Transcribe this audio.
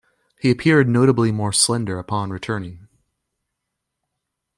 He appeared notably more slender upon returning.